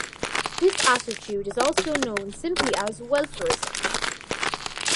This attitude is also known simply as "welfarism".